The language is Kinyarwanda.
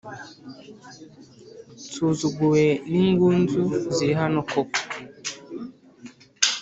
Nsuzuguwe n’ingunzu zirihano koko